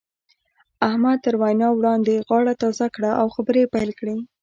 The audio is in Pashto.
احمد تر وينا وړاندې غاړه تازه کړه او خبرې يې پيل کړې.